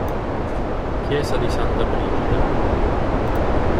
Chiesa di Santa Brigida